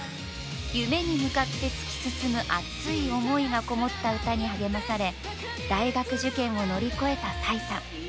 夢に向かって突き進む熱い思いがこもった歌に励まされ大学受験を乗り越えた齋さん。